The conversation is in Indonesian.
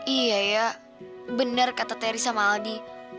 iya ya bener kata teri sama aldi